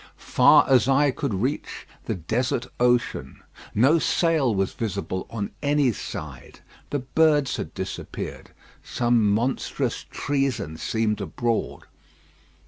Far as eye could reach, the desert ocean. No sail was visible on any side. The birds had disappeared. Some monstrous treason seemed abroad.